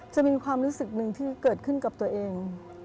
จะมีความรู้สึกหนึ่งที่เกิดขึ้นกับตัวเอง